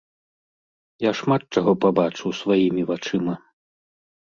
Я шмат чаго пабачыў сваімі вачыма.